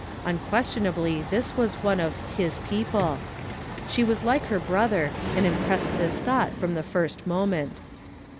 Unquestionably this was one of "his peoide;" she was like her brother, and impressed this thought from the first moment.